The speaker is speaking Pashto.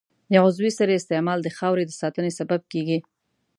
د عضوي سرې استعمال د خاورې د ساتنې سبب کېږي.